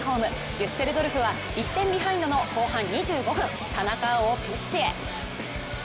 デュッセルドルフは１点ビハインドの後半２５分田中碧をピッチへ。